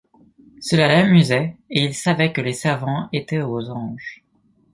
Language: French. Cela l'amusait et il savait que les servants étaient aux anges.